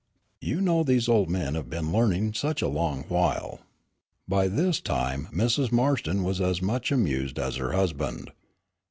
"You know these old men have been learning such a long while." By this time Mrs. Marston was as much amused as her husband.